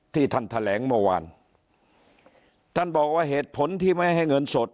ที่ท่านแถลงเมื่อวานท่านบอกว่าเหตุผลที่ไม่ให้เงินสด